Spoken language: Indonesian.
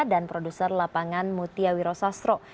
dan produser lapangan mutia wiro sase